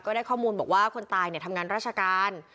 ได้ข้อมูลบอกว่าคนตายทำงานราชการ